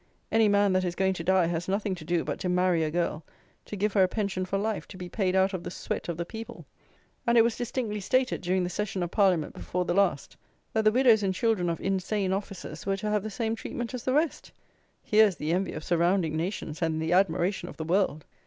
Any man that is going to die has nothing to do but to marry a girl to give her a pension for life to be paid out of the sweat of the people; and it was distinctly stated, during the Session of Parliament before the last, that the widows and children of insane officers were to have the same treatment as the rest! Here is the envy of surrounding nations and the admiration of the world!